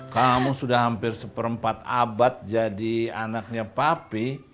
kamu sudah hampir seperempat abad jadi anaknya papi